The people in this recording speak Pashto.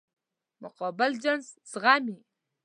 مقابل جنس زغمي.